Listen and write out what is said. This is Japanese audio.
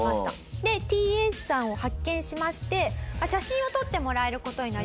でｔ−Ａｃｅさんを発見しまして写真を撮ってもらえる事になりました。